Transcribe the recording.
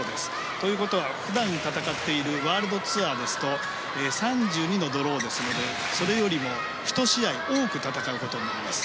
ということは、普段戦っているワールドツアーですと３２のドローですのでそれよりも１試合多く戦うことになります。